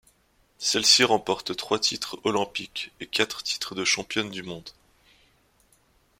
Celle-ci remporte trois titres olympiques et quatre titres de championne du monde.